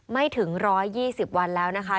ไม่ถึง๑๒๐วันแล้วนะคะ